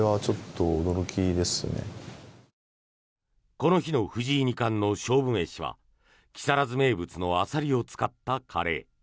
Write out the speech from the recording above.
この日の藤井二冠の勝負飯は木更津名物のアサリを使ったカレー。